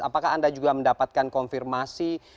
apakah anda juga mendapatkan konfirmasi